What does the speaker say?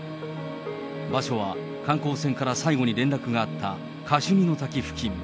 場所は、観光船から最後に連絡があった、カシュニの滝付近。